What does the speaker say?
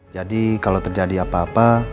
jadi kalau terjadi apa apa